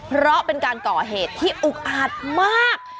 เพราะเป็นการก่อเหตุที่อุกอาจมาก